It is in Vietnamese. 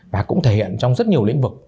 và cũng thể hiện trong rất nhiều lĩnh vực